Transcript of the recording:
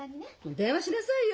電話しなさいよ。